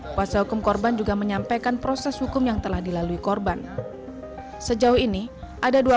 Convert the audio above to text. kuasa hukum korban juga menyampaikan proses hukum yang telah dilalui korban sejauh ini ada dua